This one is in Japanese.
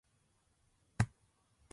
スーパーに買い物に行く。